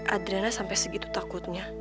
adriana sampai segitu takutnya